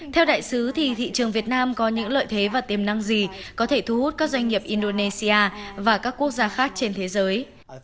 theo đại sứ thì thị trường việt nam có những lợi thế và tiềm năng gì có thể thu hút các doanh nghiệp indonesia và các quốc gia khác trên thế giới